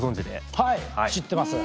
はい知ってます。